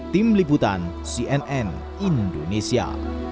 tim liputan cnn indonesia